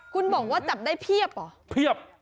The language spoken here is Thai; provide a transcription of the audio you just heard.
คุณบอกว่าจับได้เพียบเหรอเพียบ